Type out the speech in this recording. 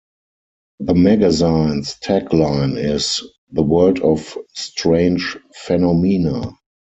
The magazine's tagline is "The World of Strange Phenomena".